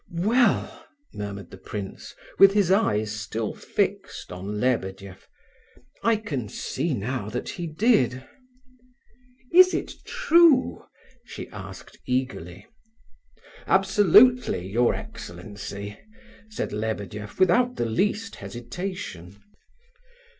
"Well," murmured the prince, with his eyes still fixed on Lebedeff, "I can see now that he did." "Is it true?" she asked eagerly. "Absolutely, your excellency," said Lebedeff, without the least hesitation.